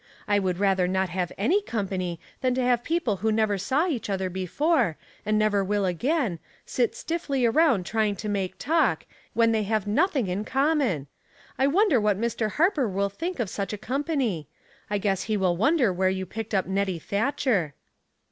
I would rather not have an^ company than to have people who never saw each other before, tind never will again, sit stiffly around trying to make talk, when they have nothing in common. I wonder what Mr. Harper will think of such a company. I guess he will wonder where you picked up Nettie Thatcher.''